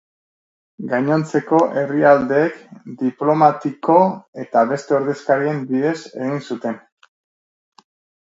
Gainontzeko herrialdeek diplomatiko eta beste ordezkarien bidez egin zuten.